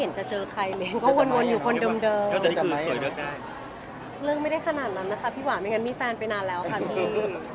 เรื่องไม่ได้ขนาดนั้นนะคะพี่หวานไม่งั้นมีแฟนไปนานแล้วค่ะพี่